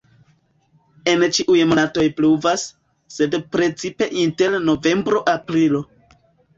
En ĉiuj monatoj pluvas, sed precipe inter novembro-aprilo.